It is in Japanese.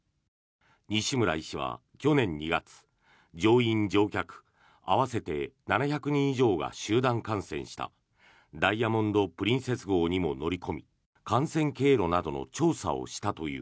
西村医師は去年２月乗員・乗客合わせて７００人以上が集団感染した「ダイヤモンド・プリンセス号」にも乗り込み感染経路などの調査をしたという。